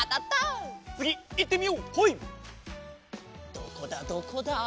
どこだどこだ？